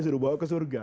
suruh bawa ke surga